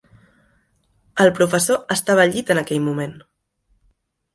El professor estava al llit en aquell moment.